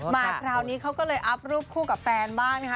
มาคราวนี้เขาก็เลยอัพรูปคู่กับแฟนบ้างนะคะ